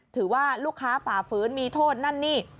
ถือว่าลูกค้าฝ่าฝืนมีโทษนั่นนี่